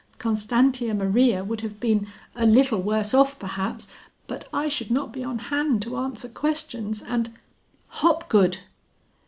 Constantia Maria would have been a little worse off perhaps, but I should not be on hand to answer questions, and " "Hopgood!"